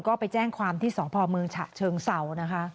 ก็ไปแจ้งความที่สพเมืองฉะเชิงเศร้านะคะ